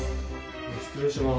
失礼します。